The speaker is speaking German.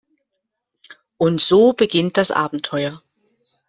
Und so beginnt das Abenteuer.